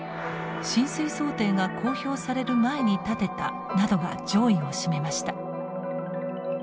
「浸水想定が公表される前に建てた」などが上位を占めました。